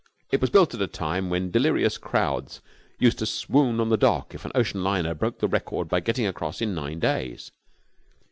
It was built at a time when delirious crowds used to swoon on the dock if an ocean liner broke the record by getting across in nine days.